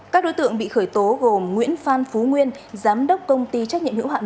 các đối tượng bị khởi tố gồm nguyễn phan phú nguyên giám đốc công ty trách nhiệm hữu hạn